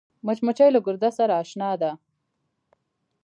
مچمچۍ له ګرده سره اشنا ده